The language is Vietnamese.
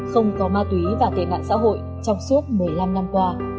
không có ma túy và tệ nạn xã hội trong suốt một mươi năm năm qua